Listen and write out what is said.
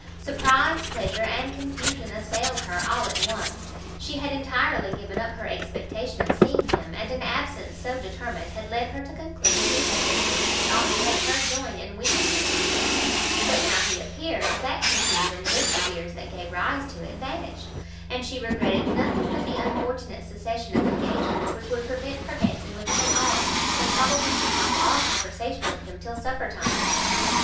Surprise, pleasure and confusion assailed her all at once; she had entirely given up her expectation of seeing him, and an absence so determined had led her to conclude he had pursuits which ought to make her join in wishing it lengthened; but now he appeared, that conclusion, with the fears that gave rise to it, vanished; and she regretted nothing but the unfortunate succession of engagements which would prevent her dancing with him at all, and probably keep off all conversation with him till supper time.